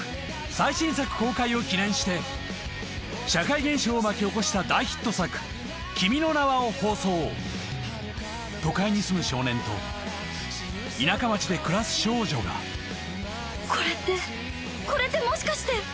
最新作公開を記念して社会現象を巻き起こした大ヒット作『君の名は。』を放送都会に住む少年と田舎町で暮らす少女がこれってこれってもしかして！